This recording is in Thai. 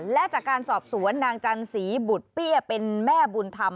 และจากการสอบสวนนางจันสีบุตรเปี้ยเป็นแม่บุญธรรม